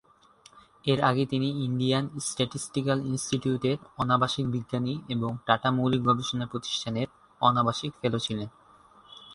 এর আগে তিনি ইন্ডিয়ান স্ট্যাটিস্টিক্যাল ইনস্টিটিউটের অনাবাসিক বিজ্ঞানী এবং টাটা মৌলিক গবেষণা প্রতিষ্ঠানের অনাবাসিক ফেলো ছিলেন।